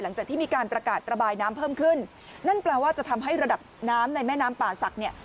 หลังจากที่มีการประกาศระบายน้ำเพิ่มขึ้นนั่นแปลว่าจะทำให้ระดับน้ำในแม่น้ำป่าศักดิ์เนี่ย